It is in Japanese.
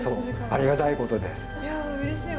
ありがたいことで。